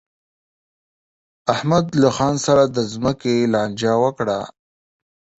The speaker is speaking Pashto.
احمد له خان سره د ځمکې لانجه وکړه.